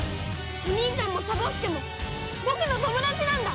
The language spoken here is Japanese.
お兄ちゃんもサボ助も僕の友達なんだ！